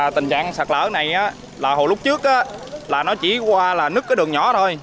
tình trạng sạt lở này là hồi lúc trước là nó chỉ qua là nứt cái đường nhỏ thôi